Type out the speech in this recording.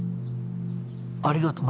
「ありがとな」。